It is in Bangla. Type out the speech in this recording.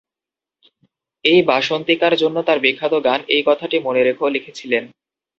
তিনি বাসন্তিকার জন্য তার বিখ্যাত গান "এই কথাটি মনে রেখ" লিখেছিলেন।